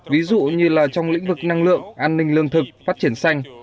ví dụ như là trong lĩnh vực năng lượng an ninh lương thực phát triển xanh